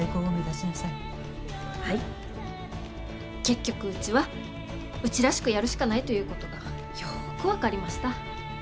結局うちはうちらしくやるしかないということがよく分かりました。